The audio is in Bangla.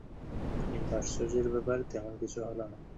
কিন্তু আশ্চর্যের ব্যাপার, তেমন কিছু হল না।